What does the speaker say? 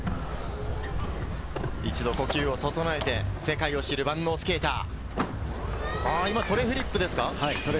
一度呼吸を整えて、世界を知る、万能スケーター。